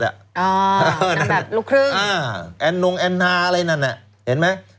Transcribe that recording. อ๋อนางแบบลูกครึ่งแอนนงแอนนาอะไรนั้นเห็นไหม